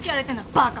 バカ！